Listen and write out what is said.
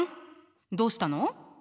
どうしたの？